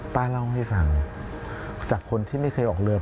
ป้าเล่าให้ฟังจากคนที่ไม่เคยออกเรือ